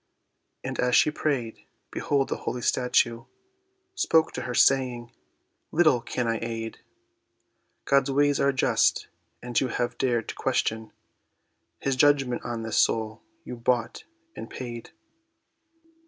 And as she prayed, behold the holy statue Spoke to her, saying, "Little can I aid, God's ways are just, and you have dared to question His judgment on this soul you bought—and paid."